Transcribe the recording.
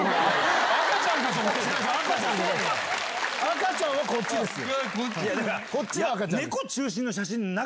赤ちゃんはこっちですよ。